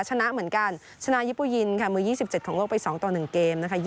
ชนะเหมือนกันชนะยิปุยินค่ะมือ๒๗ของโลกไป๒ต่อ๑เกมนะคะ